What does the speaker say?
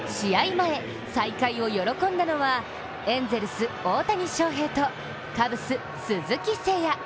前、再会を喜んだのはエンゼルス・大谷翔平とカブス・鈴木誠也。